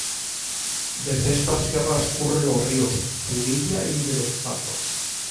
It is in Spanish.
Desde esta sierra escurren los ríos Punilla y de los Patos.